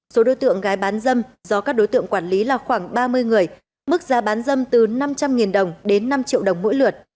số đối tượng gái bán dâm do các đối tượng quản lý là khoảng ba mươi người mức giá bán dâm từ năm trăm linh đồng đến năm triệu đồng mỗi lượt